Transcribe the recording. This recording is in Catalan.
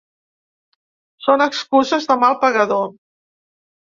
Són excuses de mal pagador.